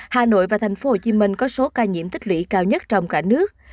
hà nội và thành phố hồ chí minh có số ca nhiễm tích lũy cao nhất trong cả nước